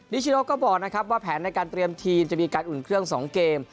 ชโนก็บอกนะครับว่าแผนในการเตรียมทีมจะมีการอุ่นเครื่อง๒เกม